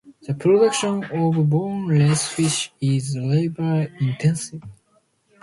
The production of boneless fish is labor-intensive.